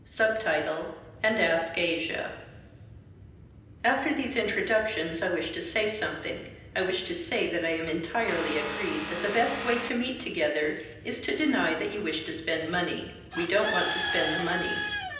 [Sub title And Ask Asia] After these introductions I wish to say something I wish to say that I am entirely agreed that the best way to meet together is to deny that you wish to spend money. We don't want to spend the money.